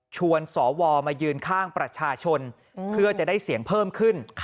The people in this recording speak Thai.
ชวนสวมายืนข้างประชาชนเพื่อจะได้เสียงเพิ่มขึ้น